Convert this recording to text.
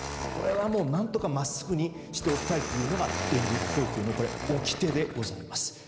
これは何とか真っすぐにしておきたいというのが電力供給のおきてでございます。